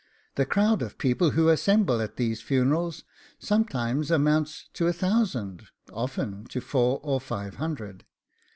The crowd of people who assemble at these funerals sometimes amounts to a thousand, often to four or five hundred.